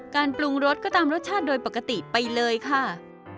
ปรุงรสก็ตามรสชาติโดยปกติไปเลยค่ะ